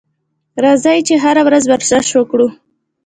راځئ چې هره ورځ ورزش وکړو.